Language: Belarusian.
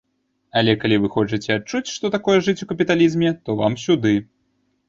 Але калі вы хочаце адчуць, што такое жыць у капіталізме, то вам сюды!